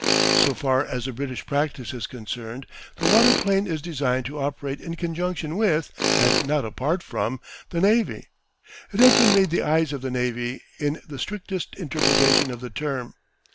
So far as the British practice is concerned the waterplane is designed to operate in conjunction with, and not apart from, the Navy. It has been made the eyes of the Navy in the strictest interpretation of the term.